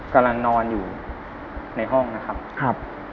กำลังนอนอยู่ในห้องนะครับครับ